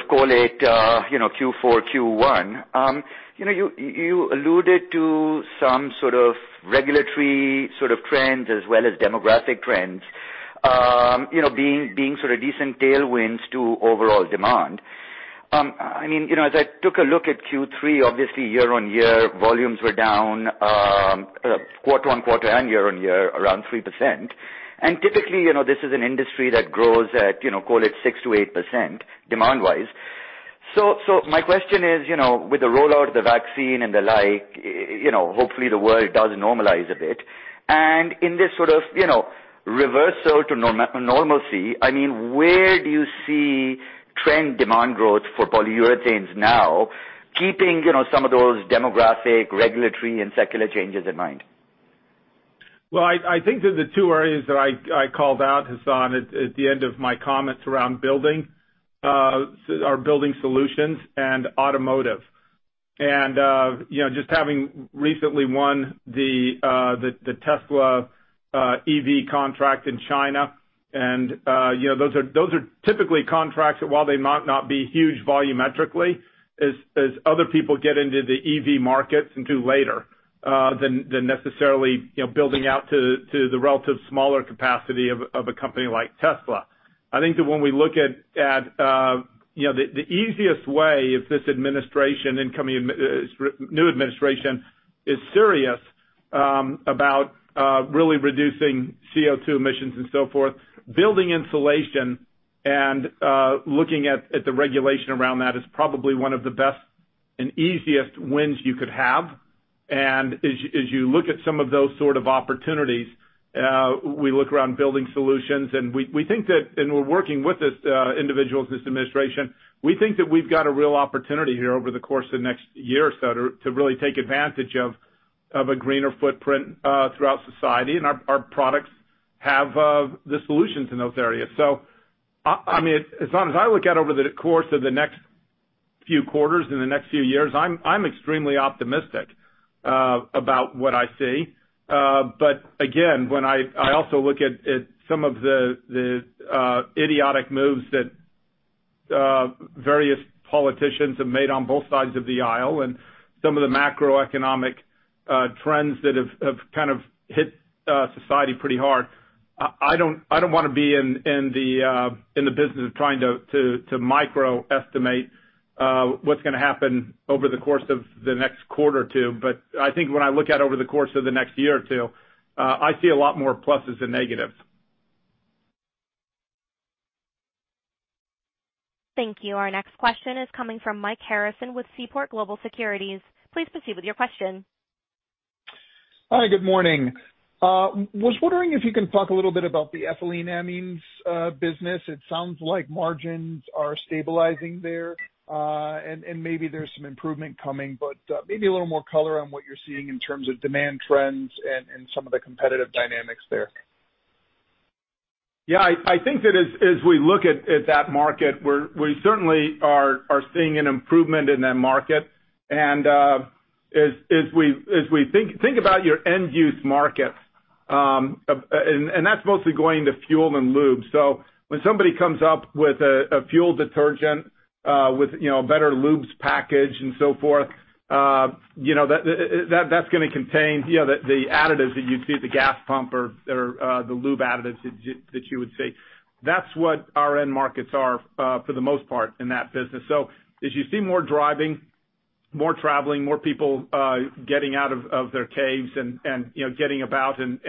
Speaker 12: call it Q4, Q1. You alluded to some sort of regulatory trends as well as demographic trends being decent tailwinds to overall demand. As I took a look at Q3, obviously year-over-year, volumes were down quarter-over-quarter and year-over-year around 3%. Typically, this is an industry that grows at call it 6%-8% demand-wise. My question is, with the rollout of the vaccine and the like, hopefully the world does normalize a bit. In this sort of reversal to normalcy, where do you see trend demand growth for Polyurethanes now, keeping some of those demographic, regulatory, and secular changes in mind?
Speaker 3: Well, I think that the two areas that I called out, Hassan, at the end of my comments around building are building solutions and automotive. Just having recently won the Tesla EV contract in China, and those are typically contracts that while they might not be huge volumetrically, as other people get into the EV markets until later than necessarily building out to the relative smaller capacity of a company like Tesla. I think that when we look at the easiest way if this new administration is serious about really reducing CO2 emissions and so forth, building insulation and looking at the regulation around that is probably one of the best and easiest wins you could have. As you look at some of those sort of opportunities, we look around building solutions, and we're working with this administration. We think that we've got a real opportunity here over the course of the next year or so to really take advantage of a greener footprint throughout society, and our products have the solutions in those areas. Hassan, as I look out over the course of the next few quarters, in the next few years, I'm extremely optimistic about what I see. Again, when I also look at some of the idiotic moves that various politicians have made on both sides of the aisle and some of the macroeconomic trends that have kind of hit society pretty hard, I don't want to be in the business of trying to micro estimate what's going to happen over the course of the next quarter or two. I think when I look out over the course of the next year or two, I see a lot more pluses than negatives.
Speaker 1: Thank you. Our next question is coming from Mike Harrison with Seaport Global Securities. Please proceed with your question.
Speaker 13: Hi, good morning. Was wondering if you can talk a little bit about the ethyleneamines business? It sounds like margins are stabilizing there. Maybe there's some improvement coming, but maybe a little more color on what you're seeing in terms of demand trends and some of the competitive dynamics there.
Speaker 3: Yeah, I think that as we look at that market, we certainly are seeing an improvement in that market. Think about your end-use markets, and that's mostly going to fuel and lube. When somebody comes up with a fuel detergent with a better lubes package and so forth, that's going to contain the additives that you'd see at the gas pump or the lube additives that you would see. That's what our end markets are for the most part in that business. As you see more driving, more traveling, more people getting out of their caves and getting about and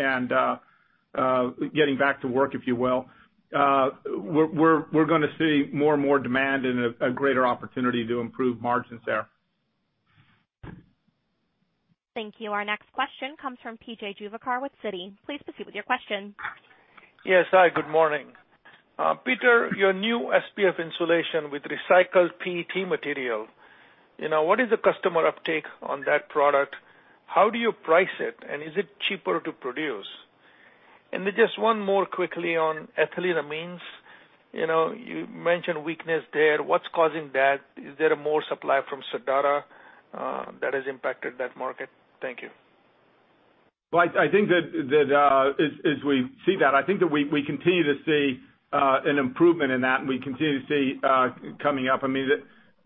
Speaker 3: getting back to work, if you will, we're going to see more and more demand and a greater opportunity to improve margins there.
Speaker 1: Thank you. Our next question comes from P.J. Juvekar with Citi. Please proceed with your question.
Speaker 14: Yes. Hi, good morning. Peter, your new SPF insulation with recycled PET material. What is the customer uptake on that product? How do you price it, and is it cheaper to produce? Just one more quickly on ethyleneamines, you mentioned weakness there. What's causing that? Is there more supply from Sadara that has impacted that market? Thank you.
Speaker 4: Well, as we see that, I think that we continue to see an improvement in that, and we continue to see coming up.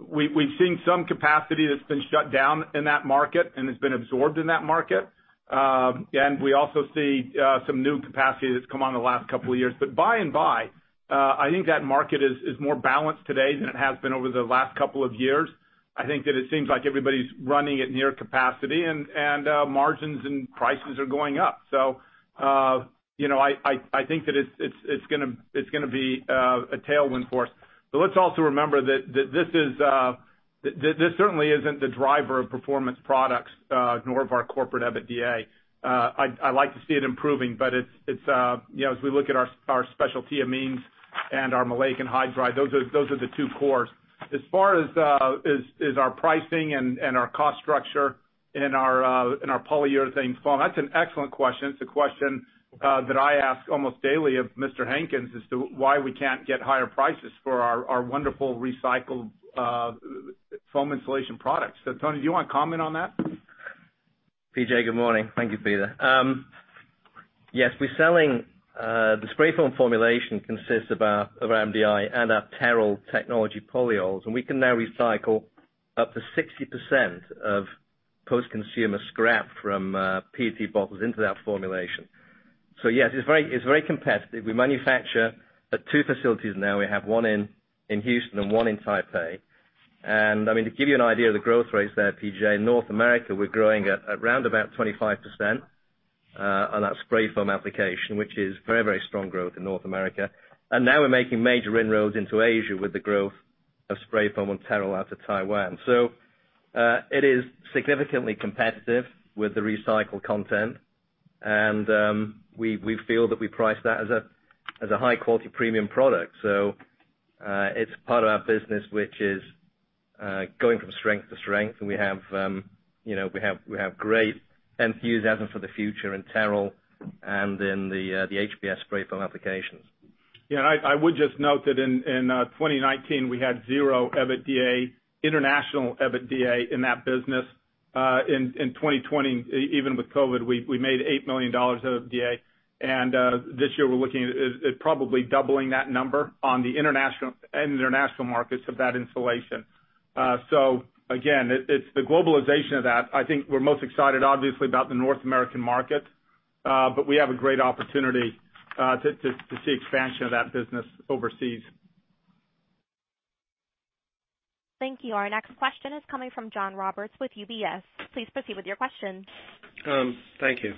Speaker 4: We've seen some capacity that's been shut down in that market and has been absorbed in that market. We also see some new capacity that's come on in the last couple of years. By and by, I think that market is more balanced today than it has been over the last couple of years. I think that it seems like everybody's running at near capacity, and margins and prices are going up so I think that it's going to be a tailwind for us. Let's also remember that this certainly isn't the driver of Performance Products nor of our corporate EBITDA. I like to see it improving, but as we look at our specialty amines and our maleic anhydride, those are the two cores. As far as our pricing and our cost structure in our polyurethane foam, that's an excellent question. It's a question that I ask almost daily of Mr. Hankins as to why we can't get higher prices for our wonderful recycled foam insulation products. Tony, do you want to comment on that?
Speaker 10: P.J., good morning. Thank you, Peter. Yes, the spray foam formulation consists of our MDI and our TEROL technology polyols, and we can now recycle up to 60% of post-consumer scrap from PET bottles into that formulation. Yes, it's very competitive. We manufacture at two facilities now. We have one in Houston and one in Taipei. To give you an idea of the growth rates there, P.J., North America, we're growing at around about 25% on our spray foam application, which is very strong growth in North America. Now we're making major inroads into Asia with the growth of spray foam on TEROL out of Taiwan. It is significantly competitive with the recycled content. We feel that we price that as a high-quality premium product. It's part of our business which is going from strength to strength, and we have great enthusiasm for the future in TEROL and in the HBS spray foam applications.
Speaker 3: Yeah, I would just note that in 2019, we had zero international EBITDA in that business. In 2020, even with COVID, we made $8 million of EBITDA. This year we're looking at probably doubling that number on the international markets of that insulation. Again, it's the globalization of that. I think we're most excited obviously about the North American market but we have a great opportunity to see expansion of that business overseas.
Speaker 1: Thank you. Our next question is coming from John Roberts with UBS. Please proceed with your question.
Speaker 15: Thank you.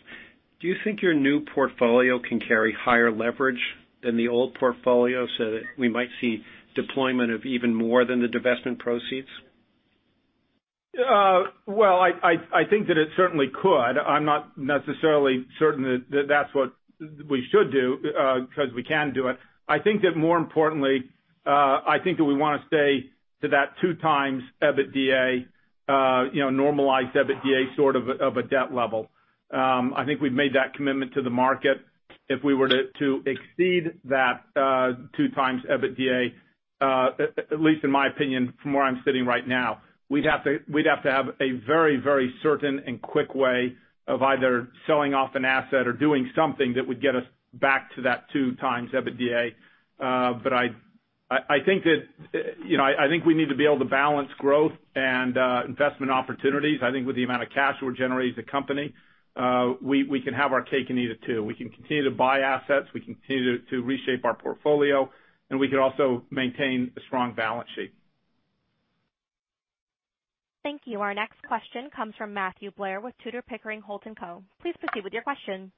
Speaker 15: Do you think your new portfolio can carry higher leverage than the old portfolio so that we might see deployment of even more than the divestment proceeds?
Speaker 3: Well, I think that it certainly could. I'm not necessarily certain that that's what we should do because we can do it. I think that more importantly, I think that we want to stay to that 2x EBITDA, normalized EBITDA sort of a debt level. I think we've made that commitment to the market. If we were to exceed that 2x EBITDA, at least in my opinion, from where I'm sitting right now, we'd have to have a very certain and quick way of either selling off an asset or doing something that would get us back to that 2x EBITDA. I think we need to be able to balance growth and investment opportunities. I think with the amount of cash we're generating as a company, we can have our cake and eat it, too. We can continue to buy assets, we can continue to reshape our portfolio, and we can also maintain a strong balance sheet.
Speaker 1: Thank you. Our next question comes from Matthew Blair with Tudor, Pickering, Holt & Co. Please proceed with your question.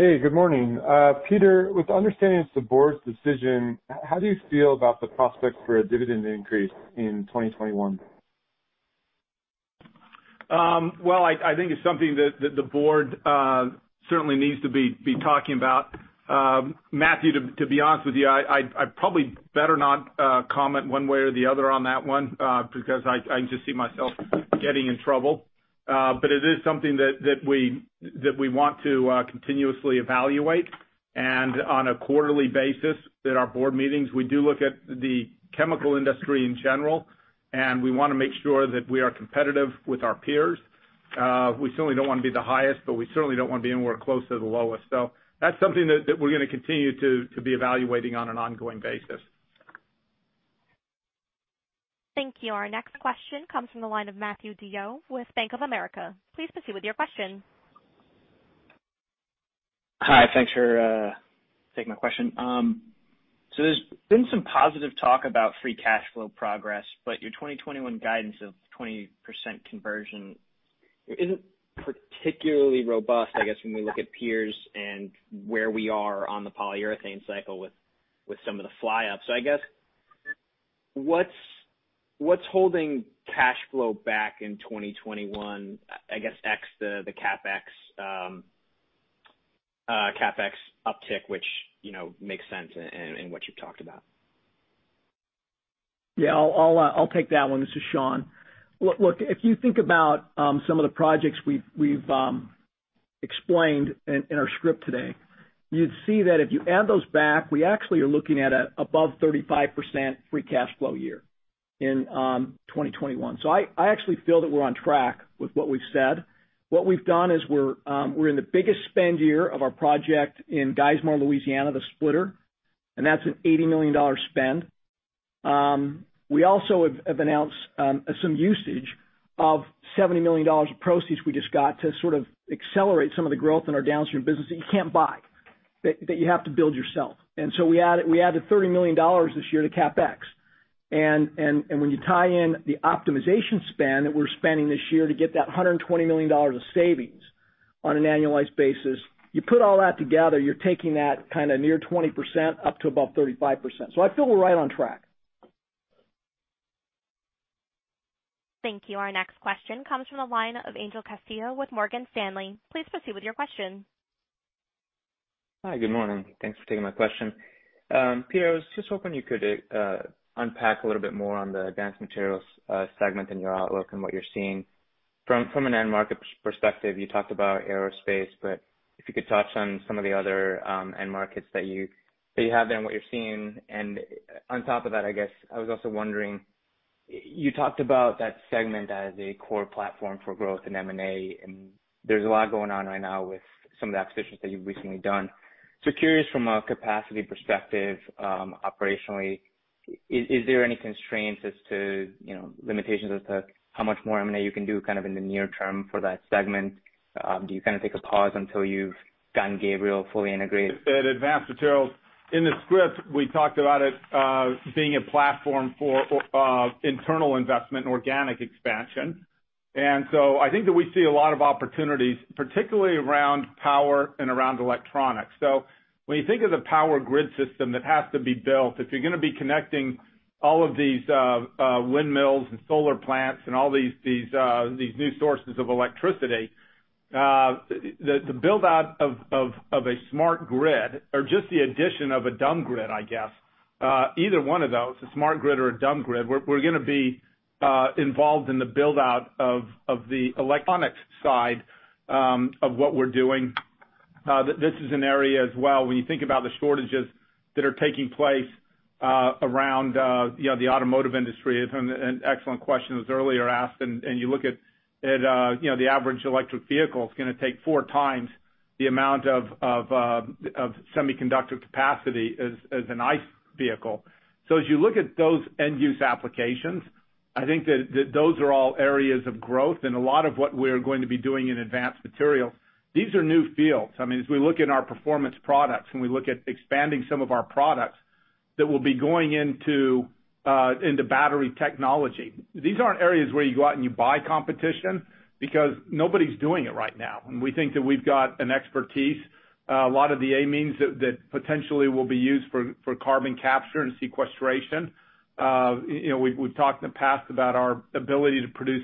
Speaker 16: Hey, good morning. Peter, with understanding it's the Board's decision, how do you feel about the prospects for a dividend increase in 2021?
Speaker 3: I think it's something that the Board certainly needs to be talking about. Matthew, to be honest with you, I'd probably better not comment one way or the other on that one because I can just see myself getting in trouble. It is something that we want to continuously evaluate. On a quarterly basis, at our Board meetings, we do look at the chemical industry in general, and we want to make sure that we are competitive with our peers. We certainly don't want to be the highest, but we certainly don't want to be anywhere close to the lowest. That's something that we're going to continue to be evaluating on an ongoing basis.
Speaker 1: Thank you. Our next question comes from the line of Matthew DeYoe with Bank of America. Please proceed with your question.
Speaker 17: Hi, thanks for taking my question. There's been some positive talk about free cash flow progress, but your 2021 guidance of 20% conversion isn't particularly robust, I guess, when we look at peers and where we are on the polyurethane cycle with some of the fly-ups. I guess, what's holding cash flow back in 2021? I guess, ex the CapEx uptick, which makes sense in what you've talked about.
Speaker 4: Yeah, I'll take that one. This is Sean. Look, if you think about some of the projects we've explained in our script today, you'd see that if you add those back, we actually are looking at above 35% free cash flow year in 2021. I actually feel that we're on track with what we've said. What we've done is we're in the biggest spend year of our project in Geismar, Louisiana, the splitter, and that's an $80 million spend. We also have announced some usage of $70 million of proceeds we just got to sort of accelerate some of the growth in our downstream business that you can't buy, that you have to build yourself. So we added $30 million this year to CapEx. When you tie in the optimization spend that we're spending this year to get that $120 million of savings on an annualized basis, you put all that together, you're taking that kind of near 20% up to above 35%. I feel we're right on track.
Speaker 1: Thank you. Our next question comes from the line of Angel Castillo with Morgan Stanley. Please proceed with your question.
Speaker 18: Hi, good morning. Thanks for taking my question. Peter, I was just hoping you could unpack a little bit more on the Advanced Materials segment in your outlook and what you're seeing from an end market perspective. You talked about aerospace. If you could touch on some of the other end markets that you have there and what you're seeing. On top of that, I was also wondering, you talked about that segment as a core platform for growth in M&A, and there's a lot going on right now with some of the acquisitions that you've recently done. Curious from a capacity perspective, operationally, is there any constraints as to limitations as to how much more M&A you can do in the near term for that segment? Do you take a pause until you've gotten Gabriel fully integrated?
Speaker 3: At Advanced Materials, in the script, we talked about it being a platform for internal investment and organic expansion. I think that we see a lot of opportunities, particularly around power and around electronics. When you think of the power grid system that has to be built, if you're going to be connecting all of these windmills and solar plants and all these new sources of electricity, the build-out of a smart grid or just the addition of a dumb grid, I guess, either one of those, a smart grid or a dumb grid, we're going to be involved in the build-out of the electronics side of what we're doing. This is an area as well, when you think about the shortages that are taking place around the automotive industry. An excellent question was earlier asked and you look at the average electric vehicle, it's going to take four times the amount of semiconductor capacity as an ICE vehicle. As you look at those end-use applications, I think that those are all areas of growth and a lot of what we are going to be doing in Advanced Materials. These are new fields. As we look at our Performance Products and we look at expanding some of our products that will be going into battery technology. These aren't areas where you go out and you buy competition because nobody's doing it right now and we think that we've got an expertise. A lot of the amines that potentially will be used for carbon capture and sequestration. We've talked in the past about our ability to produce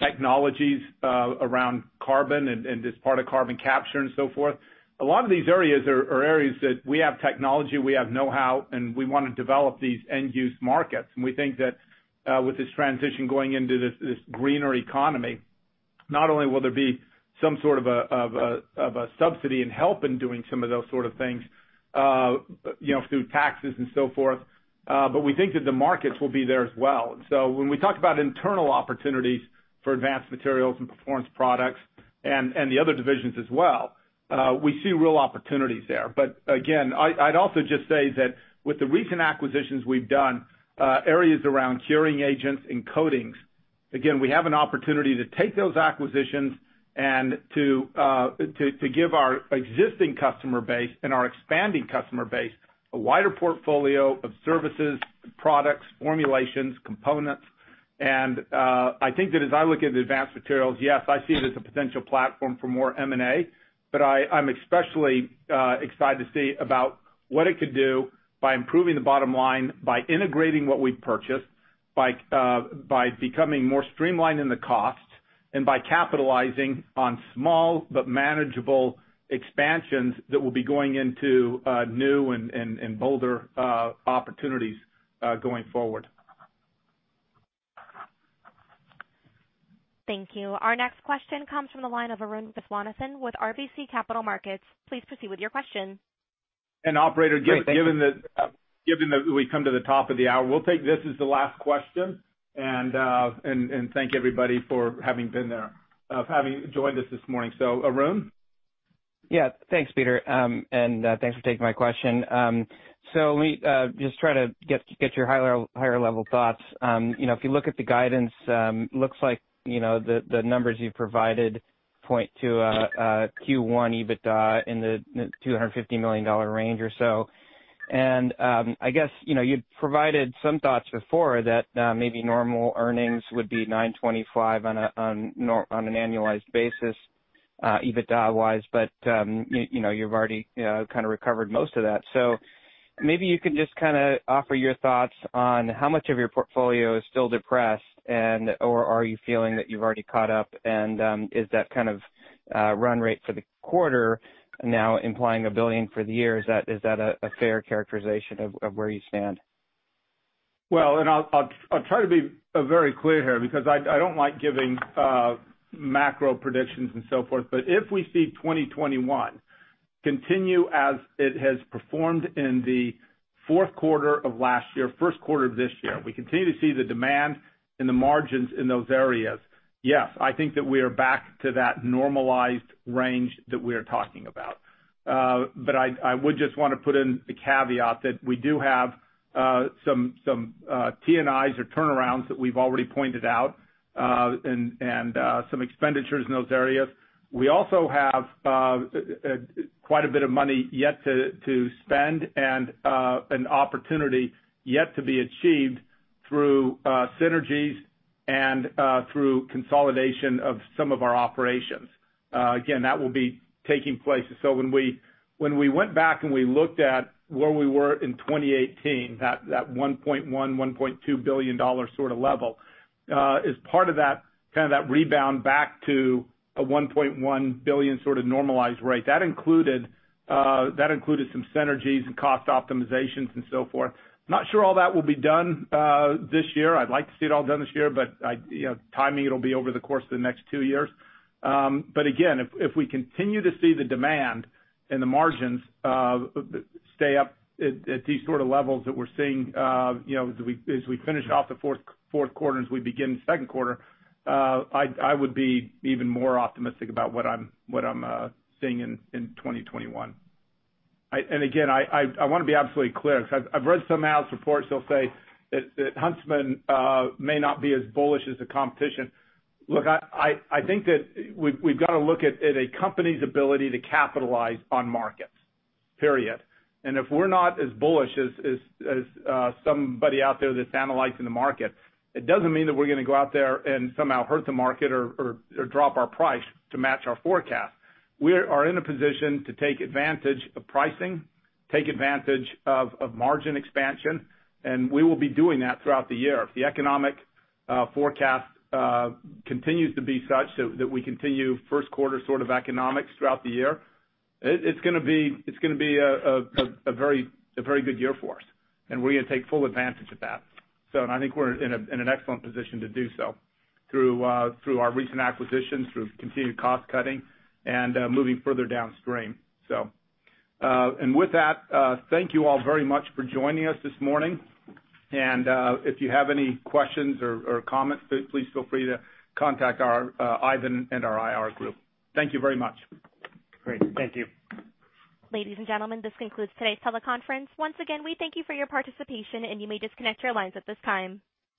Speaker 3: nanotechnologies around carbon and as part of carbon capture and so forth. A lot of these areas are areas that we have technology, we have know-how, and we want to develop these end-use markets. We think that with this transition going into this greener economy, not only will there be some sort of a subsidy and help in doing some of those sort of things through taxes and so forth, but we think that the markets will be there as well. When we talk about internal opportunities for Advanced Materials and Performance Products and the other divisions as well, we see real opportunities there. Again, I'd also just say that with the recent acquisitions we've done, areas around curing agents and coatings, again, we have an opportunity to take those acquisitions and to give our existing customer base and our expanding customer base a wider portfolio of services, products, formulations, components. I think that as I look at Advanced Materials, yes, I see it as a potential platform for more M&A. I am especially excited to see about what it could do by improving the bottom line, by integrating what we've purchased, by becoming more streamlined in the cost, and by capitalizing on small but manageable expansions that will be going into new and bolder opportunities going forward.
Speaker 1: Thank you. Our next question comes from the line of Arun Viswanathan with RBC Capital Markets. Please proceed with your question.
Speaker 3: Operator, given that we've come to the top of the hour, we'll take this as the last question and then thank everybody for having joined us this morning. Arun?
Speaker 19: Yeah. Thanks, Peter. Thanks for taking my question. Let me just try to get your higher level thoughts. If you look at the guidance, looks like the numbers you've provided point to a Q1 EBITDA in the $250 million range or so. I guess you'd provided some thoughts before that maybe normal earnings would be $925 million on an annualized basis EBITDA-wise, but you've already kind of recovered most of that. Maybe you can just offer your thoughts on how much of your portfolio is still depressed and/or are you feeling that you've already caught up? Is that run rate for the quarter now implying $1 billion for the year? Is that a fair characterization of where you stand?
Speaker 3: Well, I'll try to be very clear here because I don't like giving macro predictions and so forth. If we see 2021 continue as it has performed in the fourth quarter of last year, first quarter of this year, we continue to see the demand and the margins in those areas. Yes, I think that we are back to that normalized range that we are talking about. I would just want to put in the caveat that we do have some T&Is or turnarounds that we've already pointed out, and some expenditures in those areas. We also have quite a bit of money yet to spend and an opportunity yet to be achieved through synergies and through consolidation of some of our operations. Again, that will be taking place. When we went back and we looked at where we were in 2018, that $1.1 billion, $1.2 billion sort of level is part of that rebound back to a $1.1 billion sort of normalized rate. That included some synergies and cost optimizations and so forth. I'm not sure all that will be done this year. I'd like to see it all done this year, but timing, it'll be over the course of the next two years. Again, if we continue to see the demand and the margins stay up at these sort of levels that we're seeing as we finish off the fourth quarter and as we begin the second quarter, I would be even more optimistic about what I'm seeing in 2021. Again, I want to be absolutely clear because I've read some analyst reports that'll say that Huntsman may not be as bullish as the competition. Look, I think that we've got to look at a company's ability to capitalize on markets, period. If we're not as bullish as somebody out there that's analyzing the market, it doesn't mean that we're going to go out there and somehow hurt the market or drop our price to match our forecast. We are in a position to take advantage of pricing, take advantage of margin expansion, and we will be doing that throughout the year. If the economic forecast continues to be such that we continue first quarter sort of economics throughout the year, it's going to be a very good year for us, and we're going to take full advantage of that. I think we're in an excellent position to do so through our recent acquisitions, through continued cost cutting, and moving further downstream. With that, thank you all very much for joining us this morning. If you have any questions or comments, please feel free to contact Ivan and our IR group. Thank you very much.
Speaker 4: Great. Thank you.
Speaker 1: Ladies and gentlemen, this concludes today's teleconference. Once again, we thank you for your participation, and you may disconnect your lines at this time.